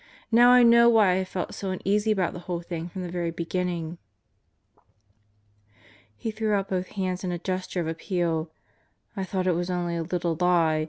Now I know why I have felt so uneasy about the whole thing from the very beginning." He threw out both hands in a gesture of appeal. "I thought it was only a little lie.